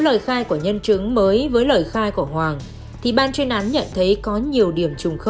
đối tượng dùng chuôi dao đâm vào chán